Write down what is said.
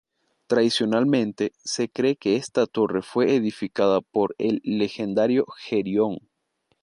Tradicionalmente, se cree que esta torre fue edificada por el legendario Gerión.